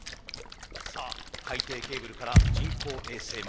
さあ海底ケーブルから人工衛星まで。